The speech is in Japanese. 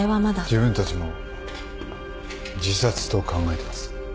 自分たちも自殺と考えてます。